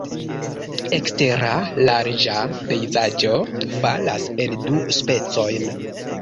Ekstera larĝa pejzaĝo falas en du specojn.